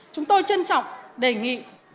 chúng tôi trân trọng đề nghị